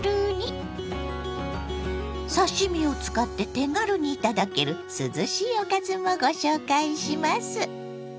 刺身を使って手軽に頂ける涼しいおかずもご紹介します。